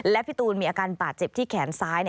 และพี่ตูนมีอาการบาดเจ็บที่แขนซ้าย